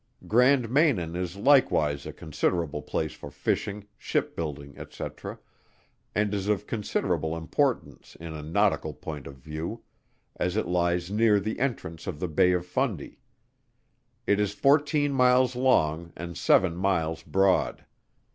Grand Manan is likewise a considerable place for fishing, Ship building, &c. and is of considerable importance in a nautical point of view, as it lies near the entrance of the Bay of Fundy. It is fourteen miles long and seven miles broad.